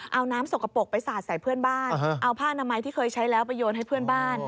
เอาน้ำสกปรกไปสาดใส่เพื่อนบ้านเอาผ้านามัยที่เคยใช้แล้วไปโยนให้เพื่อนบ้าน